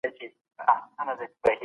کله به حکومت کډوال په رسمي ډول وڅیړي؟